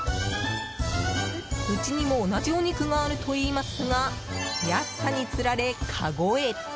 うちにも同じお肉があるといいますが安さにつられ、かごへ。